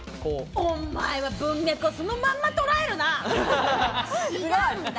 お前は文脈をそのまんま捉えるなぁ！